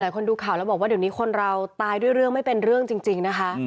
คนดูข่าวแล้วบอกว่าเดี๋ยวนี้คนเราตายด้วยเรื่องไม่เป็นเรื่องจริงนะคะ